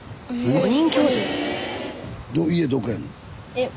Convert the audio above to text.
５人？